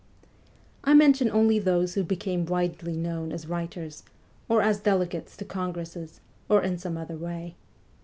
I mention only those who became widely known as writers, or as delegates to congresses, or in some other way.